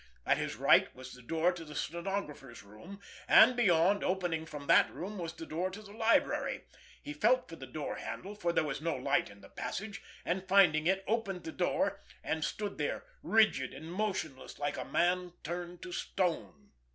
At his right was the door to the stenographer's room, and beyond, opening from that room, was the door to the library. He felt for the door handle, for there was no light in the passage, and, finding it, opened the door—and stood there rigid and motionless like a man turned to stone.